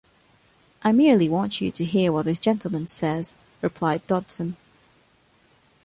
‘I merely want you to hear what this gentleman says,’ replied Dodson.